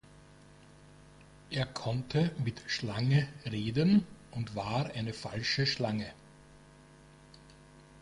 Er konnte mit Schlange reden und war eine falsche Schlange.